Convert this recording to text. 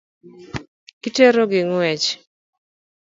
Itero gi ng'wech.